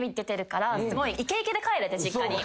イケイケで帰れて実家に。